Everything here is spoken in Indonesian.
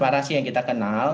transparansi yang kita kenal